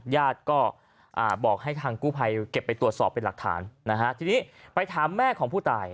ญาติก็บอกให้ทางกู้ภัยเก็บไปตรวจสอบเป็นหลักฐานนะฮะทีนี้ไปถามแม่ของผู้ตาย